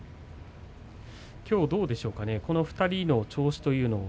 きょうどうでしょうか２人の調子というのは？